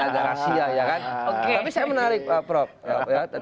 tapi saya menarik pak prof